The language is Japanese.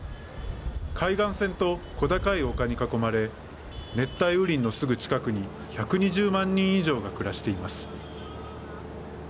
海岸線と小高い丘に囲まれ熱帯雨林のすぐ近くに１２０万人以上が暮らしています。